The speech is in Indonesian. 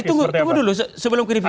tunggu dulu sebelum kurefik